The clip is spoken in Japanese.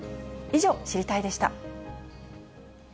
以上、知りたいッ！でした。